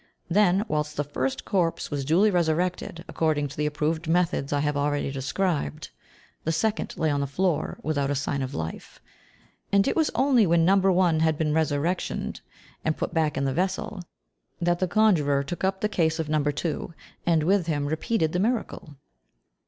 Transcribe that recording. Then, whilst the first corpse was duly resuscitated, according to the approved methods I have already described, the second lay on the floor, without a sign of life, and it was only when No. 1 had been "resurrectioned," and put back in the vessel, that the conjurer took up the case of No. 2, and, with him, repeated the miracle.